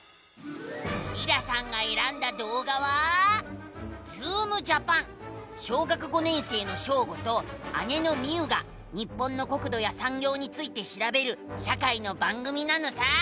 りらさんがえらんだどうがは小学５年生のショーゴと姉のミウが日本の国土やさんぎょうについてしらべる社会の番組なのさ！